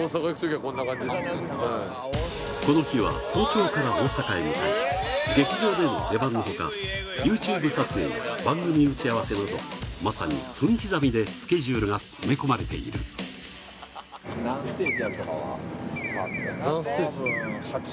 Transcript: はいこの日は早朝から大阪へ向かい劇場での出番の他ＹｏｕＴｕｂｅ撮影や番組打ち合わせなどまさに分刻みでスケジュールが詰め込まれている何ステージ？